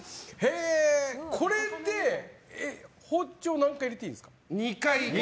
これって包丁何回入れていいんですか。